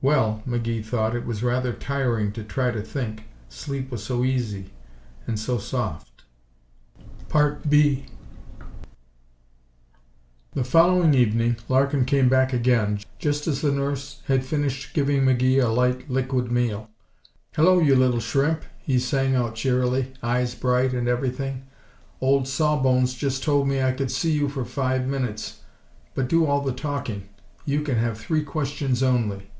Well, McGee thought, it was rather tiring to try to think. Sleep was so easy and so soft. 2 The following evening Larkin came back again, just as the nurse had finished giving McGee a light, liquid meal. "Hello, you little shrimp!" he sang out cheerily. "Eyes bright and everything! Old Saw Bones just told me I could see you for five minutes but to do all the talking. You can have three questions only."